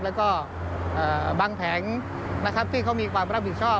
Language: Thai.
แล้วก็บางแผงนะครับที่เขามีความรับผิดชอบ